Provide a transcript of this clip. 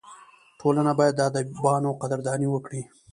ټولنه باید د ادیبانو قدرداني وکړي.